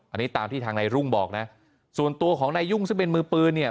อันนี้ตามที่ทางนายรุ่งบอกนะส่วนตัวของนายยุ่งซึ่งเป็นมือปืนเนี่ย